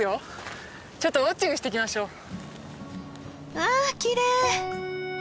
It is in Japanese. わあきれい！